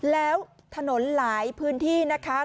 แล้วถนนหลายพื้นที่นะคะ